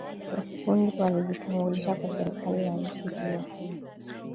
wanakikundi walijitambulisha kwa serikali ya nchini hiyo